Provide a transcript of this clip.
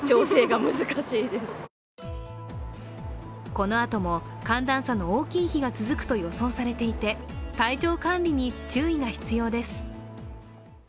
このあとも、寒暖差の大きい日が続くと予想されていて、体調管理に注意が必要です。